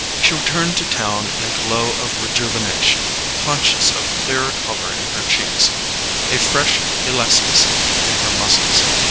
She returned to town in a glow of rejuvenation, conscious of a clearer colour in her cheeks, a fresh elasticity in her muscles.